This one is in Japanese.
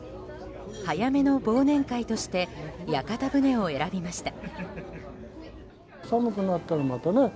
早めの忘年会として屋形船を選びました。